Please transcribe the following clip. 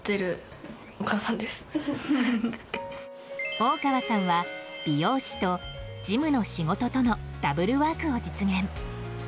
大川さんは美容師と事務の仕事とのダブルワークを実現。